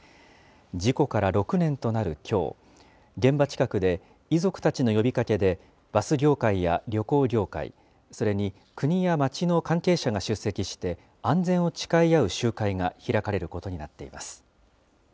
事故から６年となるきょう、現場近くで遺族たちの呼びかけで、バス業界や旅行業界、それに国や町の関係者が出席して安全を誓い合う集会が開かれることになっています。